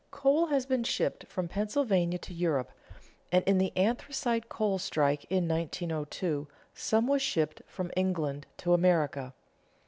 Coal has been shipped from Pennsylvania to Europe, and in the anthracite coal strike in 1902, some was shipped from England to America.